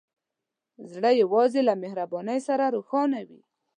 زړه یوازې له مهربانۍ سره روښانه وي.